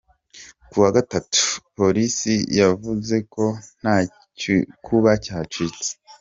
Ku wa gatatu, polisi yavuze ko nta gikuba cyacitse.